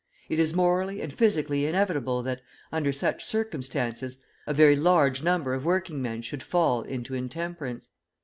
It is morally and physically inevitable that, under such circumstances, a very large number of working men should fall into intemperance.